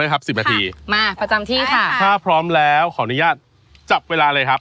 มาประจำที่ค่ะพร้อมแล้วก็รอยยามจับเวลาเลยครับ